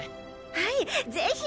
はいぜひ！